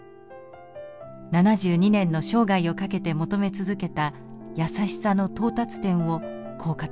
７２年の生涯を懸けて求め続けた優しさの到達点をこう語ります。